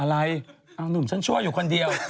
อะไรเอานุ่มฉันชั่วอยู่คนเดียว